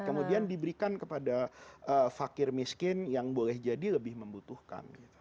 kemudian diberikan kepada fakir miskin yang boleh jadi lebih membutuhkan